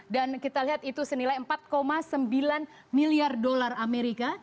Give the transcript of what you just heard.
dan kita lihat itu senilai empat sembilan miliar dolar amerika